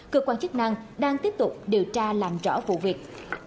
cơ quan chức năng đang tiếp tục điều tra làm rõ vụ việc